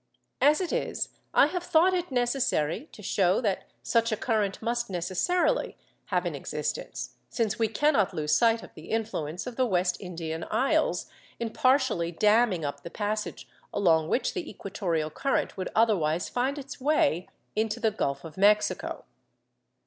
As it is, I have thought is necessary to show that such a current must necessarily have an existence, since we cannot lose sight of the influence of the West Indian Isles in partially damming up the passage along which the equatorial current would otherwise find its way into the Gulf of Mexico.